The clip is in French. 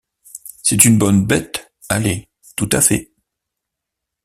C’est une bonne bête, allez, tout à fait.